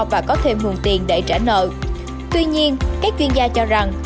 và có thêm nguồn tiền để trả nợ tuy nhiên các chuyên gia cho rằng